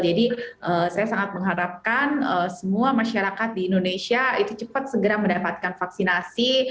jadi saya sangat mengharapkan semua masyarakat di indonesia itu cepat segera mendapatkan vaksinasi